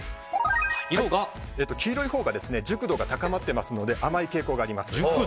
色が黄色いほうが熟度が高まっていますので甘い傾向があります。